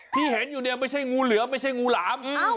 ที่เห็นอยู่เนี่ยไม่ใช่งูเหลือไม่ใช่งูหลาม